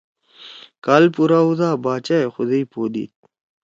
کال پورا ہودا باچائے خدئی پو دیِد۔